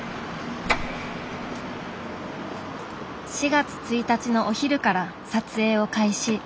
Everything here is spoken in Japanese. ４月１日のお昼から撮影を開始。